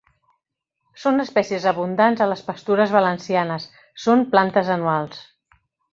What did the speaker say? Són espècies abundants a les pastures valencianes. Són plantes anuals.